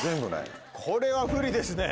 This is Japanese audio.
これは不利ですね。